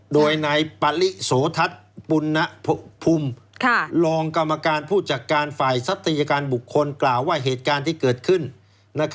โดยนายปริโสทัศน์ปุณภูมิรองกรรมการผู้จัดการฝ่ายทรัตยการบุคคลกล่าวว่าเหตุการณ์ที่เกิดขึ้น